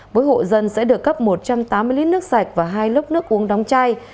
mỗi hộ dân sẽ được cấp một trăm tám mươi lít nước sạch và hai lốc nước uống đóng chai